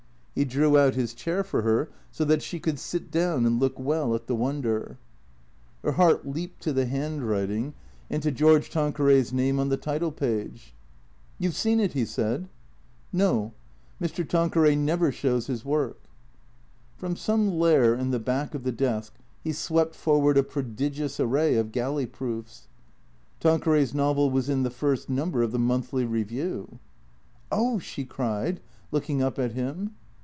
He drew out his chair for her, so that she could sit down and look well at the wonder. THE CREATORS 161 Her heart leaped to the handwriting and to George Tan queray's name on the title page. "You've seen it?" he said. " N"o. Mr. Tanqiieray never shows his work." From some lair in the back of the desk he swept forward a prodigious array of galley proofs. Tanqueray's novel was in the first number of the " Monthly Review." " Oh !" she cried, looking up at him.